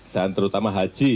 dan terutama haji